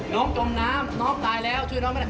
น้องจมน้ำน้องตายแล้วช่วยน้องไป